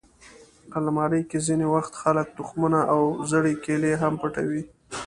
الماري کې ځینې وخت خلک تخمونه او زړې کیلې هم پټوي